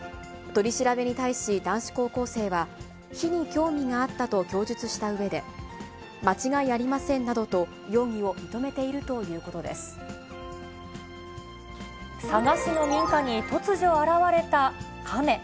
取り調べに対し、男子高校生は、火に興味があったと供述したうえで、間違いありませんなどと容疑佐賀市の民家に突如現れたカメ。